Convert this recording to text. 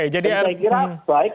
jadi saya kira baik